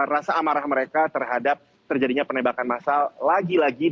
rasa amarah mereka terhadap terjadinya penembakan masal lagi lagi